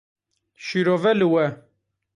Şîrove li we.